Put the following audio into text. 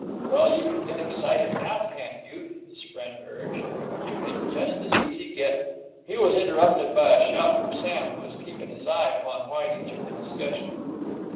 "Well, you can get excited now, can't you?" his friend urged. "You can just as easy get " He was interrupted by a shout from Sam, who was keeping his eye upon Whitey throughout the discussion.